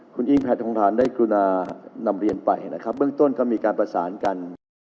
คุณอิงแพทองทานได้กรุณานำเรียนไปนะครับเบื้องต้นก็มีการประสานกัน